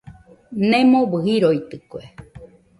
Nemobɨ jiroitɨkue.